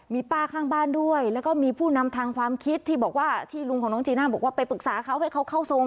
มีป้าข้างบ้านด้วยแล้วก็มีผู้นำทางความคิดที่บอกว่าที่ลุงของน้องจีน่าบอกว่าไปปรึกษาเขาให้เขาเข้าทรง